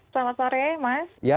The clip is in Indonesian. selamat sore mas